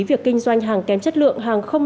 việc kinh doanh hàng kém chất lượng hàng không